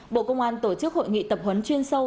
bộ công an tổ chức hội nghị tập huấn chuyên sâu